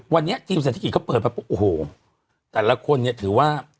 วันนี้ทีมเศรษฐกิจเขาเปิดมาปุ๊บโอ้โหแต่ละคนเนี่ยถือว่า